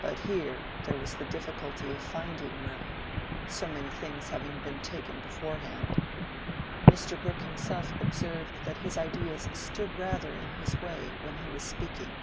But here there was the difficulty of finding room, so many things having been taken in beforehand. Mr. Brooke himself observed that his ideas stood rather in his way when he was speaking.